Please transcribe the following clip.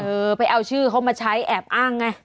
เออไปเอาชื่อเขามาใช้แอบอ้างไง